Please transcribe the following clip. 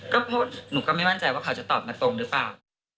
ก็เพราะหนูก็ไม่มั่นใจว่าเขาจะตอบมาตรงหรือเปล่า